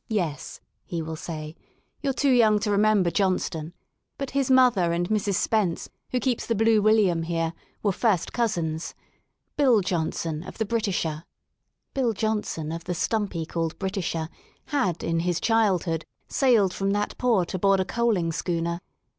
*' Yes/* he will say, you're too young to remember 73 THE SOUL OF LONDON Johnston. But his mother and Mrs. S pence, who keeps the *Blye William ' here> were first cousins, ,•. Bill Johnston of the * Britisher/'' Bill Johnston of the "stumpy" called Britisher*' had in his childhood sailed from that port aboard a coaling' schooner.